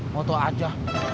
mau tau aja